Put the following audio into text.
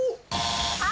あ！